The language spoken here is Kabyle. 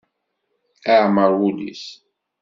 Iɛemmer wul-is.